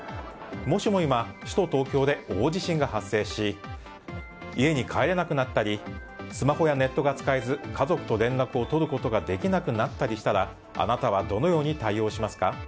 もしも今首都・東京で大地震が発生し家に帰れなくなったりスマホやネットが使えず家族と連絡を取ることができなくなったりしたらあなたはどのように対応しますか。